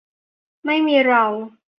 ไม่มีเรา